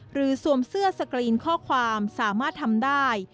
สวมเสื้อสกรีนข้อความสามารถทำได้